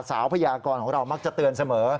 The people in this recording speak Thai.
พยากรของเรามักจะเตือนเสมอ